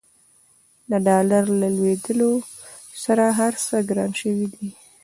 د ډالر له لوړېدولو سره هرڅه ګران شوي دي.